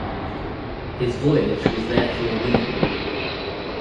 His voyage was therefore legal.